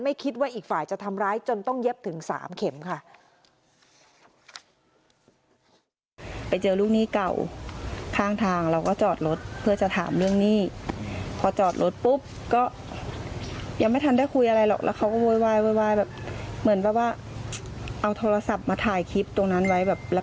คิดว่าอีกฝ่ายจะทำร้ายจนต้องเย็บถึง๓เข็มค่ะ